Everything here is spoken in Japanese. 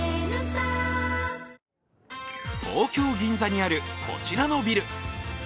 東京・銀座にあるこちらのビル。